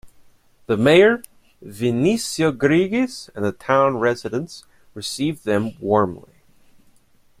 The Mayor, Vinicio Grigis and town residents received them warmly.